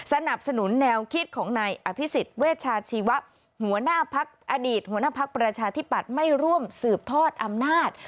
สนับสนุนแนวคิดของนายอภิษฎเวชาชีวะหัวหน้าพักอดีตหัวหน้าพักประชาธิปัตย์ไม่ร่วมสืบทอดอำนาจ